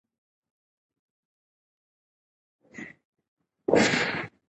ژوند د انسان د اعمالو حساب ساتي.